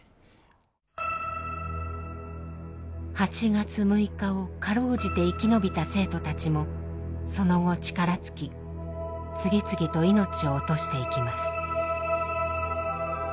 ８月６日を辛うじて生き延びた生徒たちもその後力尽き次々と命を落としていきます。